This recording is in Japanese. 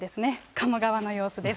鴨川の様子です。